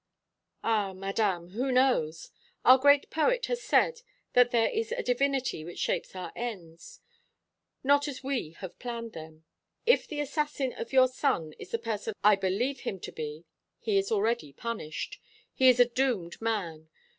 "Ah, Madame, who knows? Our great poet has said that there is a divinity which shapes our ends not as we have planned them. If the assassin of your son is the person I believe him to be, he is already punished. He is a doomed man.